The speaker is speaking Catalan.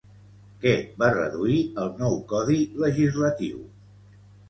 Què va reduir el nou codi legislatiu?